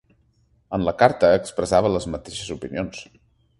En la carta, expressava les mateixes opinions.